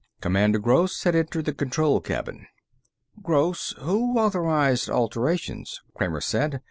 Commander Gross had entered the control cabin. "Gross, who authorized alterations?" Kramer said.